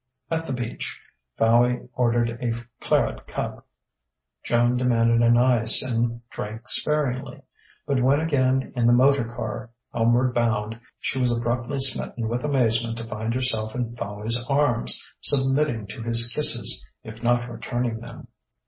At the beach, Fowey ordered a claret cup. Joan demanded an ice and drank sparingly; but when again in the motor car, homeward bound, she was abruptly smitten with amazement to find herself in Fowey's arms, submitting to his kisses if not returning them.